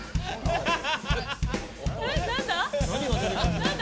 何だ？